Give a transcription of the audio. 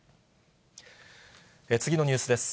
次のニュースです。